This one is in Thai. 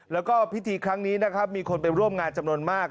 แล้วก็พิธีครั้งนี้นะครับมีคนไปร่วมงานจำนวนมาก